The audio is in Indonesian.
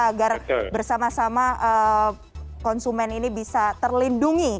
agar bersama sama konsumen ini bisa terlindungi hak haknya